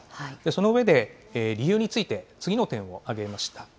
その上で理由について、次の点を挙げました。